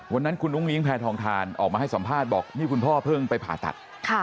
วันนั้นคุณอุ้งอิงแพทองทานออกมาให้สัมภาษณ์บอกนี่คุณพ่อเพิ่งไปผ่าตัด